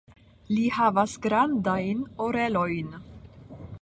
Li havas grandajn orelojn.